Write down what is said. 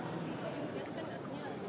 terus dan mengumumkan deep water exploration